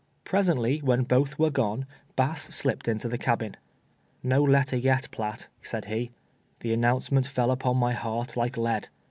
Presently, when both were gone, Bass slipped into the cabin. " jSTo letter yet, Piatt," said he. The announce ment fell upon my heart like lead.